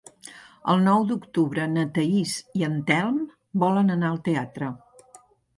El nou d'octubre na Thaís i en Telm volen anar al teatre.